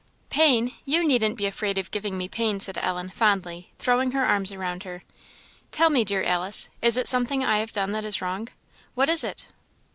"Pain! you needn't be afraid of giving me pain," said Ellen, fondly, throwing her arms around her. "Tell me, dear Alice; is it something I have done that is wrong? what is it?"